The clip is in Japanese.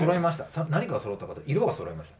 さあ何がそろったかって色がそろいました。